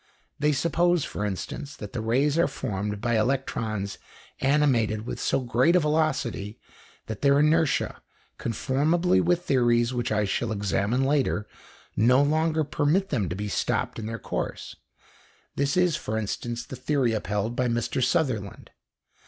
They suppose, for instance, that the rays are formed by electrons animated with so great a velocity that their inertia, conformably with theories which I shall examine later, no longer permit them to be stopped in their course; this is, for instance, the theory upheld by Mr Sutherland.